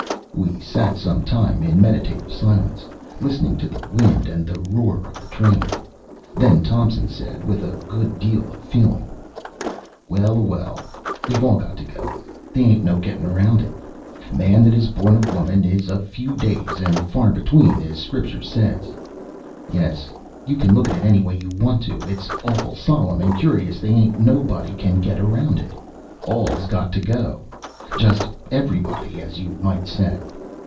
We sat some time, in meditative silence, listening to the wind and the roar of the train; then Thompson said, with a good deal of feeling, "Well a well, we've all got to go, they ain't no getting around it. Man that is born of woman is of few days and far between, as Scriptur' says. Yes, you look at it any way you want to, it's awful solemn and cur'us: they ain't nobody can get around it; all's got to go just everybody, as you may say.